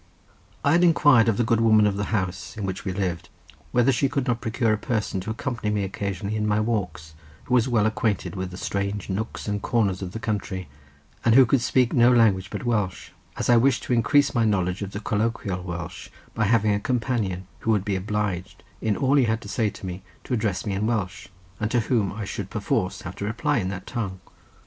I had inquired of the good woman of the house in which we lived whether she could not procure a person to accompany me occasionally in my walks, who was well acquainted with the strange nooks and corners of the country, and who could speak no language but Welsh; as I wished to increase my knowledge of colloquial Welsh by having a companion, who would be obliged, in all he had to say to me, to address me in Welsh, and to whom I should perforce have to reply in that tongue.